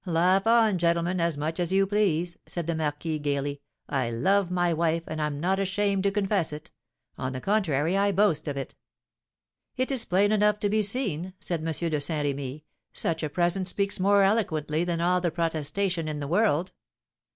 "Laugh on, gentlemen, as much as you please," said the marquis, gaily. "I love my wife, and am not ashamed to confess it; on the contrary, I boast of it." "It is plain enough to be seen," said M. de Saint Remy; "such a present speaks more eloquently than all the protestation in the world."